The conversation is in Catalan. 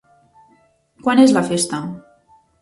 Quan és la festa?